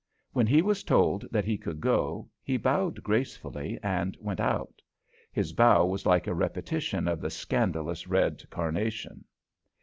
When he was told that he could go, he bowed gracefully and went out. His bow was like a repetition of the scandalous red carnation.